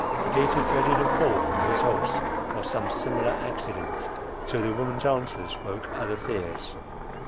Perdita dreaded a fall from his horse, or some similar accident—till the woman's answers woke other fears.